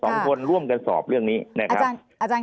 ภารกิจสรรค์ภารกิจสรรค์